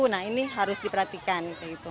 nah ini harus diperhatikan